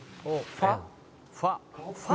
ファ。